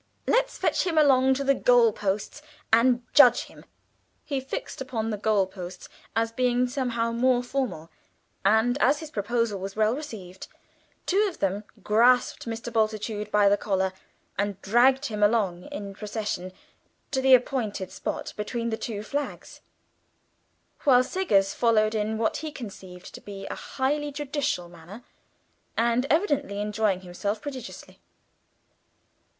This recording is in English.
Let's fetch him along to the goal posts and judge him!" He fixed upon the goal posts as being somehow more formal, and, as his proposal was well received, two of them grasped Mr. Bultitude by the collar and dragged him along in procession to the appointed spot between the two flags, while Siggers followed in what he conceived to be a highly judicial manner, and evidently enjoying himself prodigiously.